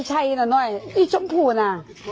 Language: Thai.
ชัยน่ะน้อยไอ้ชมพูน่ะ